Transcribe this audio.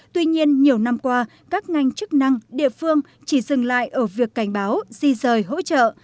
tuy nhiên nhiều năm qua các ngành chức năng địa phương chỉ dừng lại ở việc cảnh báo di rời hỗ trợ